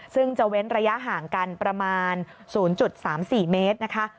ซึ่งจะเว้นระยะห่างกันประมาณ๐๓๔เมตรนะคะ